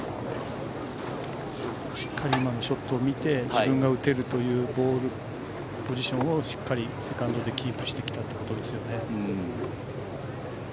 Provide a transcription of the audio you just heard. しっかり今のショットを見て自分が打てるというボールポジションをしっかりセカンドでキープしてきたということですね。